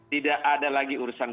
tidak ada lagi urusan